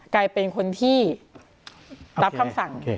กลายเป็นคนที่รับคำสั่ง